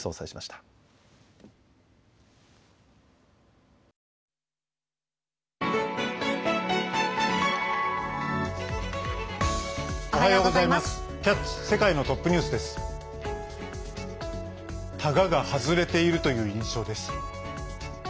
たがが外れているという印象です。